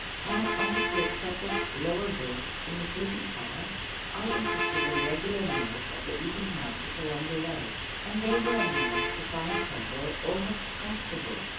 I not only took separate lower berths in the sleeping car, I insisted on regular meals at the eating houses along the way, and they were amazed to find travel almost comfortable.